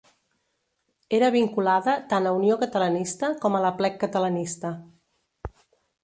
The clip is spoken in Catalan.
Era vinculada tant a Unió Catalanista com a l'Aplec Catalanista.